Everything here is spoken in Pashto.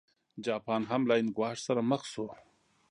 جاپان هم له عین ګواښ سره مخ شو.